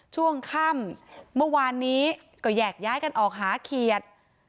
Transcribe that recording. ช่วงค่ำเมื่อวานนี้ก็แยกย้ายกันออกหาเขียด